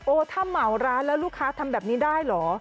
ถ้าเหมาร้านแล้วลูกค้าทำแบบนี้ได้เหรอ